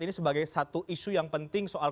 ini sebagai satu isu yang penting soal